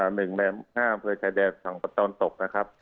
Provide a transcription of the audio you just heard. เหม่งแม่งห้ามเผยไข่แดดของประตานศกนะครับ